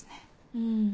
うん。